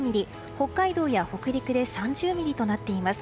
北海道や北陸で３０ミリとなっています。